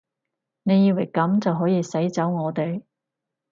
你以為噉就可以使走我哋？